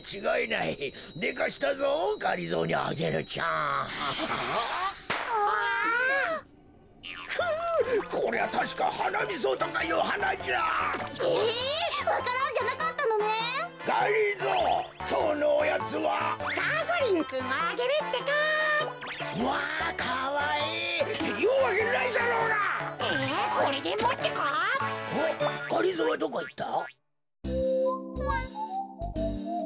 がりぞーはどこいった？